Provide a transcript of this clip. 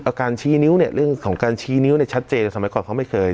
การชี้นิ้วเนี่ยเรื่องของการชี้นิ้วเนี่ยชัดเจนสมัยก่อนเขาไม่เคย